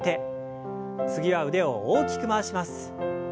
次は腕を大きく回します。